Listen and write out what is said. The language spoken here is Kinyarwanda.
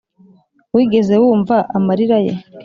wigeze wumva amarira ye